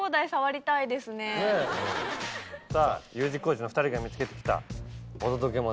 さぁＵ字工事の２人が見つけてきたお届けモノ。